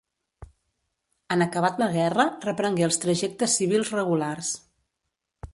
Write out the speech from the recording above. En acabat la guerra reprengué els trajectes civils regulars.